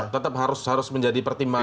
tetap harus menjadi pertimbangan